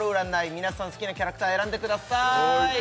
皆さん好きなキャラクター選んでください